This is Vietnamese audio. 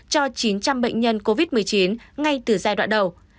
cho chín trăm linh bệnh nhân covid một mươi chín ngay từ giai đoạn đầu